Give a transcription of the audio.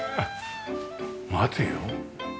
待てよ。